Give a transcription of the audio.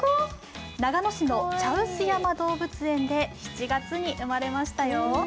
長野市の茶臼山動物園動物園で７月に生まれましたよ。